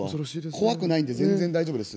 怖くないんで全然大丈夫です。